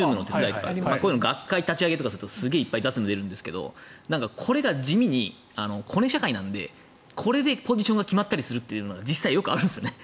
学会とか立ち上げするといっぱい雑務出るんですがこれが地味にコネ社会なのでこれでポジションが決まったりするというのが実際によくあるんですよね。